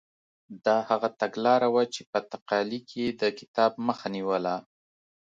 دا هغه تګلاره وه چې په تقالي کې یې د کتاب مخه نیوله.